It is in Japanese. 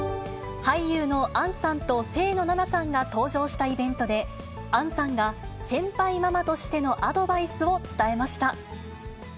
俳優の杏さんと清野菜名さんが登場したイベントで、杏さんが先輩ママとしてのアドバイスを伝えました。